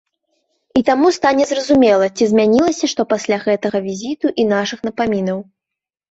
І таму стане зразумела, ці змянілася што пасля гэтага візіту і нашых напамінаў.